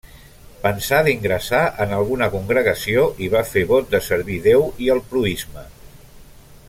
Pensà d'ingressar en alguna congregació i va fer vot de servir Déu i el proïsme.